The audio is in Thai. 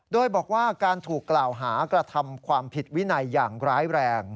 โดยบอกว่าการถูกกล่าวหากระทำความผิดวินัยอย่างร้ายแรง